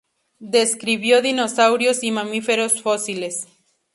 Describió dinosaurios y mamíferos fósiles.